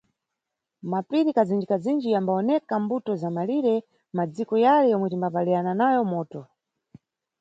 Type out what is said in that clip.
Mapiri kazinji-kazinji yambawoneka mbuto za mʼmalire madziko yale yomwe tinimbapalirana nayo moto.